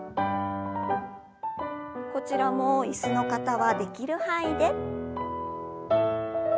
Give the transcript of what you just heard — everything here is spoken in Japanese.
こちらも椅子の方はできる範囲で。